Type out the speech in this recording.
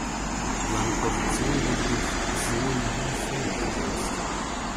Seine Position wurde durch Sohn Li Feng ersetzt.